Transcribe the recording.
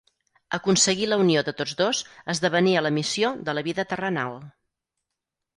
Aconseguir la unió de tots dos esdevenia la missió de la vida terrenal.